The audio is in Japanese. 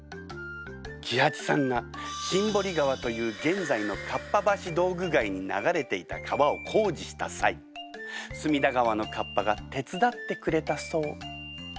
喜八さんが新堀川という現在のかっぱ橋道具街に流れていた川を工事した際隅田川のかっぱが手伝ってくれたそう。